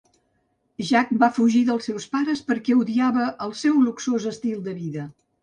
Jack va fugir dels seus pares perquè odiava el seu luxós estil de vida.